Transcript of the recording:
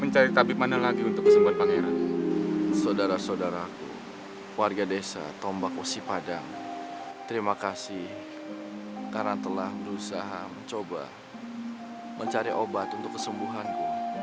saya ingin kita semua lebih berta waka'